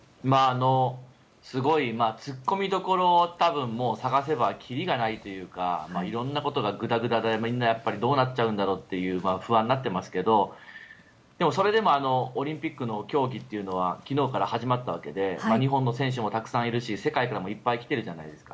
すごい突っ込みどころ多分、探せば切りがないというか色んなことがグダグダでみんなどうなっちゃうんだろうと不安になっていますけどでも、それでもオリンピックの競技っていうのは昨日から始まったわけで日本の選手もたくさんいるし世界からもいっぱい来てるじゃないですか。